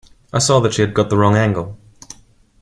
I saw that she had got the wrong angle.